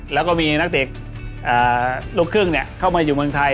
แล้วก็มีนักเตะลูกครึ่งเข้ามาอยู่เมืองไทย